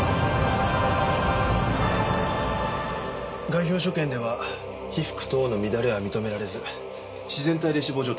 外表所見では被服等の乱れは認められず自然体で死亡状態。